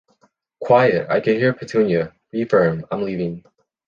Quiet! I can hear Pétunia! Be Firm! I’m leaving!